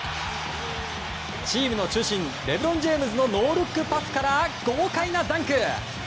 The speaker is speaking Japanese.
チームの中心レブロン・ジェームズのノールックパスから豪快なダンク！